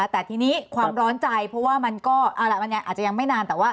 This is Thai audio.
แต่ทีนี้ความร้อนใจเพราะว่ามันก็อาจจะยังไม่นาน